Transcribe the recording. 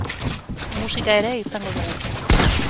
Musika ere izango dugu.